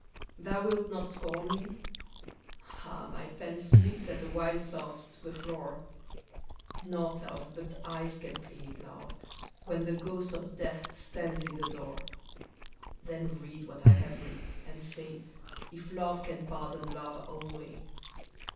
Thou wilt not scorn me ? Ah, my pen Slips at the wild thought to the floor ; Nought else but eyes can plead, love, when The ghost of death stands in the door ; Then read what I have writ, and say If love can pardon love alway.